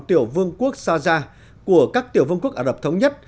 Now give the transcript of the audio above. tiểu vương quốc saza của các tiểu vương quốc ả rập thống nhất